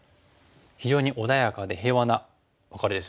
非常に穏やかで平和なワカレですよね。